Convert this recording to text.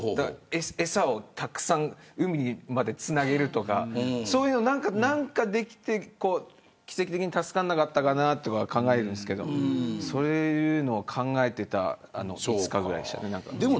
餌をたくさん海までつなげるとかそういうことで奇跡的に助からなかったかなと思ったんですけどそういうのを考えていた２日間でした。